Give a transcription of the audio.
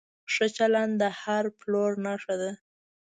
ښه چلند د هر پلور نښه ده.